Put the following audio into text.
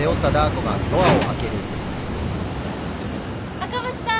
赤星さん